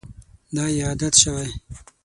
دا یې عادت شوی.